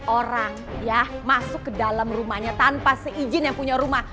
orang ya masuk ke dalam rumahnya tanpa seizin yang punya rumah